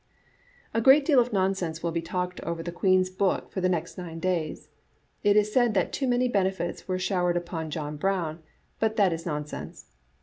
*" "A great deal of nonsense will be talked over the Queen's book for the next nine days. It is said that too many benefits were showered upon John Brown, but that is nonsense.